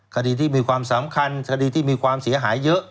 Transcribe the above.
คดีที่มีความสำคัญคดีที่มีความเสียหายเยอะ